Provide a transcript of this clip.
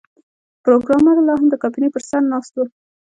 پروګرامر لاهم د کابینې پر سر ناست و